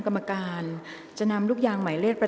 กรรมการท่านที่ห้าได้แก่กรรมการใหม่เลขเก้า